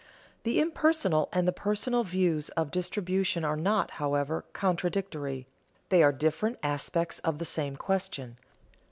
The impersonal and the personal views of distribution are not, however, contradictory; they are different aspects of the same question.